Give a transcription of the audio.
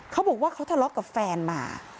เขาบอกว่าเขาทะเลาะกับแฟนมา